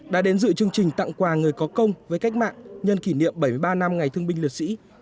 đã đến dự chương trình tặng quà người có công với cách mạng nhân kỷ niệm bảy mươi ba năm ngày thương binh liệt sĩ